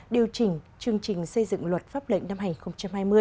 điều chỉnh chương trình xây dựng luật pháp lệnh năm hai nghìn hai mươi